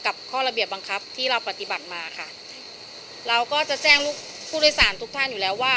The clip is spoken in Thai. ข้อระเบียบบังคับที่เราปฏิบัติมาค่ะเราก็จะแจ้งลูกผู้โดยสารทุกท่านอยู่แล้วว่า